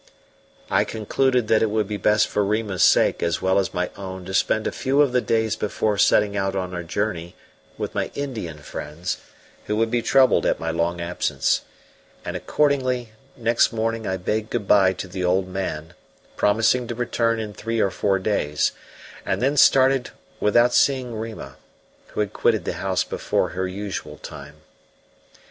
I concluded that it would be best for Rima's sake as well as my own to spend a few of the days before setting out on our journey with my Indian friends, who would be troubled at my long absence; and, accordingly, next morning I bade good bye to the old man, promising to return in three or four days, and then started without seeing Rima, who had quitted the house before her usual time.